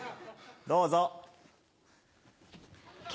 どうぞ。